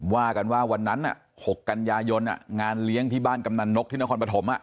ว่ากันว่าวันนั้นอ่ะหกกัญญายนอ่ะงานเลี้ยงที่บ้านกำหนันนกที่นครปฐมอ่ะ